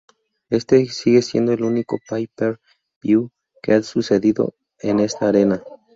Este sigue siendo el único Pay Per View que ha sucedido en esta arena.